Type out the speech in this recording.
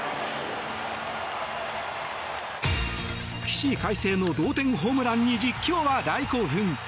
起死回生の同点ホームランに実況は大興奮。